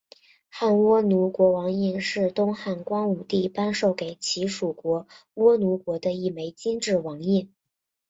汉倭奴国王印是东汉光武帝颁授给其属国倭奴国的一枚金制王印。